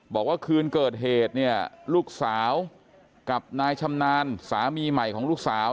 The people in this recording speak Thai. บอกว่าคืนเกิดเหตุเนี่ยลูกสาวกับนายชำนาญสามีใหม่ของลูกสาว